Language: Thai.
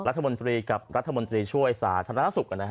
รัฐมนตรีกับรัฐมนตรีช่วยสารหน้าสุขนะครับ